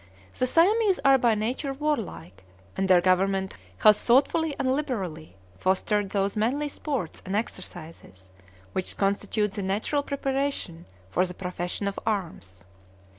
The Siamese are by nature warlike, and their government has thoughtfully and liberally fostered those manly sports and exercises which constitute the natural preparation for the profession of arms.